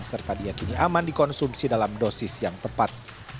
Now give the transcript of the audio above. serta diakini aman dikonsumsi dalam dosis yang tepat